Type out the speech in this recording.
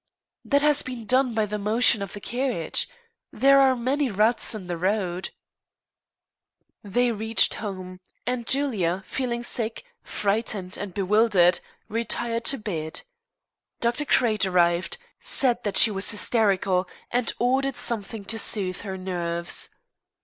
"That has been done by the motion of the carriage. There are many ruts in the road." They reached home, and Julia, feeling sick, frightened, and bewildered, retired to bed. Dr. Crate arrived, said that she was hysterical, and ordered something to soothe her nerves.